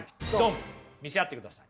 見せ合ってください。